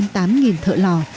trên tám thợ lò